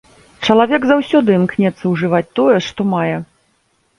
Чалавек заўсёды імкнецца ўжываць тое, што мае.